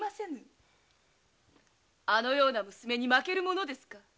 あのような娘に負けるものですか。